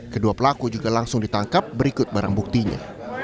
kedua pelaku juga langsung ditangkap berikut barang buktinya